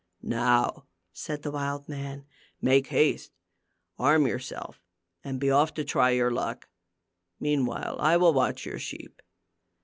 "Now," said the wild man, "make haste; arm yourself and be off to try your luck ; meanwhile, I will watch your sheep."